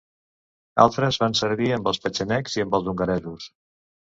Altres van servir amb els petxenegs i amb els hongaresos.